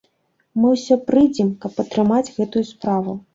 Мы ўсе прыйдзем, каб падтрымаць гэтую справу.